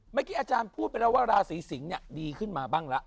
เมื่อกี้อาจารย์พูดไปแล้วว่าราศีสิงศ์ดีขึ้นมาบ้างละ